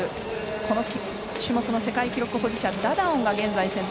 この種目の世界記録保持者ダダオンが先頭。